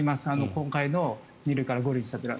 今回の２類から５類にしたのは。